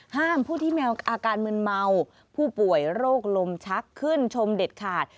ผู้ที่มีอาการมืนเมาผู้ป่วยโรคลมชักขึ้นชมเด็ดขาด